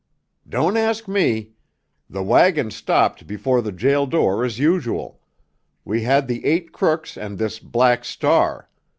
"Don't ask me! The wagon stopped before the jail door as usual. We had the eight crooks and this Black Star.